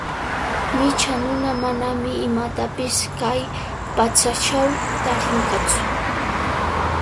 Micha nuna manami imatapish kay patsachaw tarinqatsu.